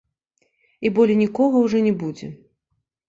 І болей нікога ўжо не будзе.